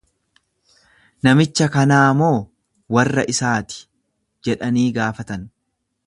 Namicha kanaa moo warra isaa ti? jedhanii gaafatan.